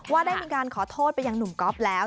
ว่าได้มีการขอโทษไปยังหนุ่มก๊อฟแล้ว